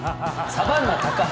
サバンナ高橋。